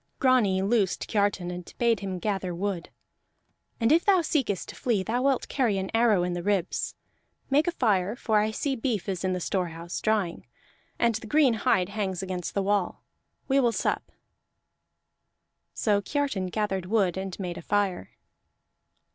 Grani loosed Kiartan and bade him gather wood. "And if thou seekest to flee thou wilt carry an arrow in the ribs. Make a fire, for I see beef is in the storehouse, drying, and the green hide hangs against the wall. We will sup." So Kiartan gathered wood and made a fire.